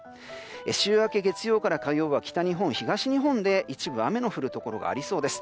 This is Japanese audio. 週明け月曜から火曜にかけては北日本で一部雨の降るところがありそうです。